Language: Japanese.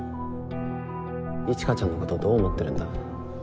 一華ちゃんのことどう思ってるんだ？